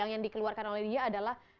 yang dikeluarkan oleh dia adalah